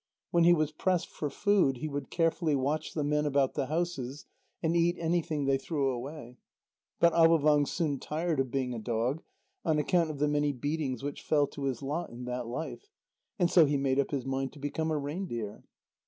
When he was pressed for food, he would carefully watch the men about the houses, and eat anything they threw away. But Avôvang soon tired of being a dog, on account of the many beatings which fell to his lot in that life. And so he made up his mind to become a reindeer.